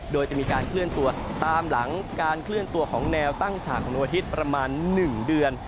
โดยจะมีการเคลื่อนตัวตามหลังการเคลื่อนตัวของแนวตั้งฉากของดวงอาทิตย์ประมาณ๑เดือน